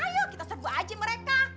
ayo kita serbu aja mereka